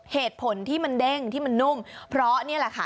เหตุผลที่มันเด้งที่มันนุ่มเพราะนี่แหละค่ะ